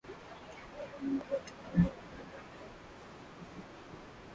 aa vile tumeona vile imefanyika huko